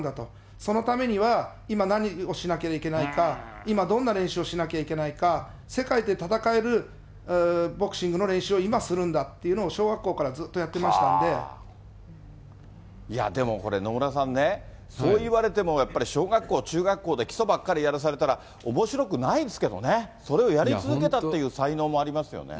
そのためには今何をしなきゃいけないか、今どんな練習をしなきゃいけないか、世界で戦えるボクシングの練習を今するんだというのを、小学校かでもこれ、野村さんね、そういわれても、やっぱり小学校、中学校で基礎ばっかりやらされたら、おもしろくないですけどね、それをやり続けたっていう才能もありますよね。